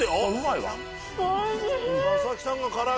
おいしい。